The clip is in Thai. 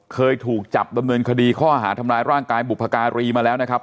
เคยถูกจับดำเนินคดีข้อหาทำร้ายร่างกายบุพการีมาแล้วนะครับ